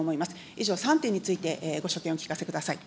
以上、３点についてご所見お聞かせください。